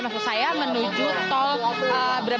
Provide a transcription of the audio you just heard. maksud saya menuju tol brebes